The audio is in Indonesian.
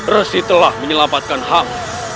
resi telah menyelamatkan ham